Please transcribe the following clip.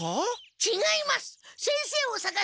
ちがいます！